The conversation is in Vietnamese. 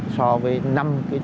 so với năm